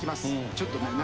ちょっと、中。